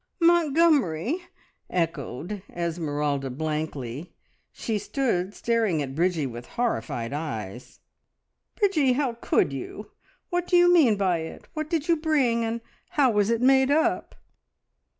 "Montgomery!" echoed Esmeralda blankly. She stood staring at Bridgie with horrified eyes. "Bridgie, how could you? What do you mean by it? What did you bring, and how was it made up?"